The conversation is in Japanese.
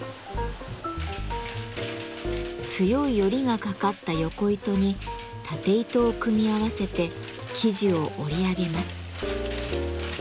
強いヨリがかかったヨコ糸にタテ糸を組み合わせて生地を織り上げます。